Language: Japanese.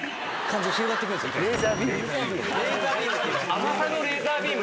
甘さのレーザービーム？